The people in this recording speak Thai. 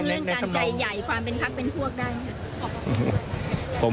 เรื่องการใจใหญ่ความเป็นพักเป็นพวกได้ไหมครับ